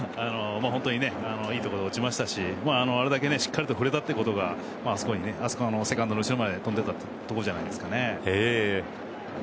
本当にいいところに落ちましたしあれだけいいところに振れたというのがセカンドの後ろまで飛んでいったということじゃないですかね。